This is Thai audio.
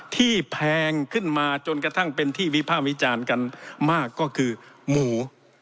แพงขึ้นมาจนกระทั่งเป็นที่วิภาควิจารณ์กันมากก็คือหมู